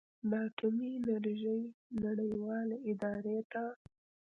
د اټومي انرژۍ نړیوالې ادارې ته